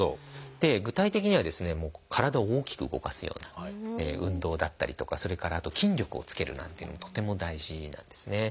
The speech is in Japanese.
具体的には体を大きく動かすような運動だったりとかそれからあと筋力をつけるなんていうのもとても大事なんですね。